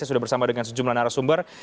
saya sudah bersama dengan sejumlah narasumber